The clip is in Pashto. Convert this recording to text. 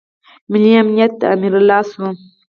ملي امنیت د امرالله شو.